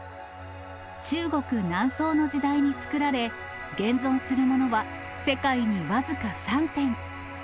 中国、南宋の時代に作られ、現存するものは世界に僅か３点。